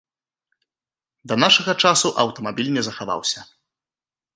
Да нашага часу аўтамабіль не захаваўся.